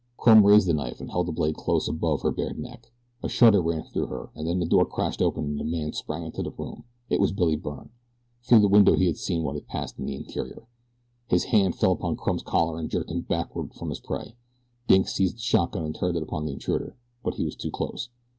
Crumb raised the knife and held the blade close above her bared neck. A shudder ran through her, and then the door crashed open and a man sprang into the room. It was Billy Byrne. Through the window he had seen what was passing in the interior. His hand fell upon Crumb's collar and jerked him backward from his prey. Dink seized the shotgun and turned it upon the intruder; but he was too close.